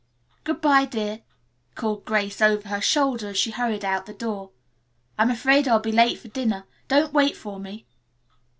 "Good bye, dear," called Grace over her shoulder as she hurried out the door. "I'm afraid I'll be late for dinner. Don't wait for me."